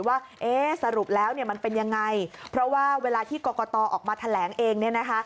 ว่าสรุปแล้วมันเป็นยังไงเพราะว่าเวลาที่กกตออกมาแถลงเอง